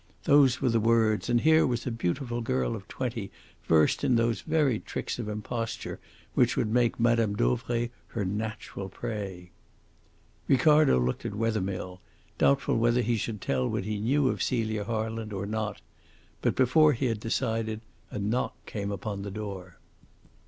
Those were the words, and here was a beautiful girl of twenty versed in those very tricks of imposture which would make Mme. Dauvray her natural prey! Ricardo looked at Wethermill, doubtful whether he should tell what he knew of Celia Harland or not. But before he had decided a knock came upon the door.